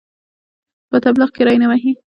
په تبلیغ کې ری ونه وهي.